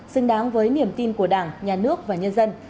xứng đáng với niềm tin của đảng nhà nước và nhân dân